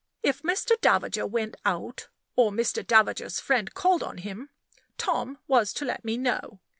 If Mr. Davager went out, or Mr. Davager's friend called on him, Tom was to let me know.